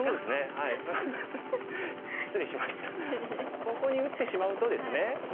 ここに打ってしまうとですね